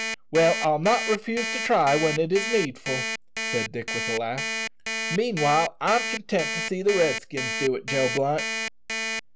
"Well, I'll not refuse to try when it is needful," said Dick with a laugh; "meanwhile I'm content to see the Redskins do it, Joe Blunt."